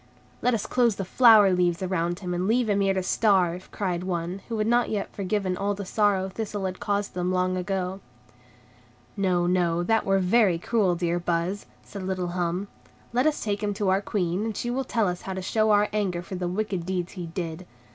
"Let us close the flower leaves around him and leave him here to starve," cried one, who had not yet forgotten all the sorrow Thistle had caused them long ago. "No, no, that were very cruel, dear Buzz," said little Hum; "let us take him to our Queen, and she will tell us how to show our anger for the wicked deeds he did.